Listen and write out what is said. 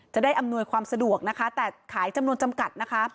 อำนวยความสะดวกนะคะแต่ขายจำนวนจำกัดนะคะ